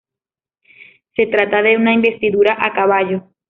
Se trata de una investidura a caballo.